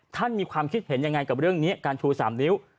ท่านมีความคิดเห็นยังไงกับเรื่องนี้การชู๓นิ้ว